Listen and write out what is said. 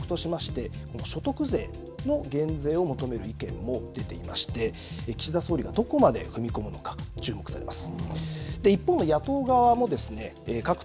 与党内では具体的な税目としまして所得税の減税を求める意見も多く出ていまして岸田総理がどこまで踏み込むのか注目されます。